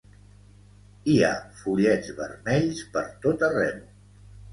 Hi ha follets vermells per tot arreu.